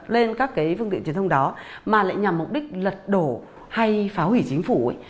lên các cái phương tiện truyền thông đó mà lại nhằm mục đích lật đổ hay phá hủy chính phủ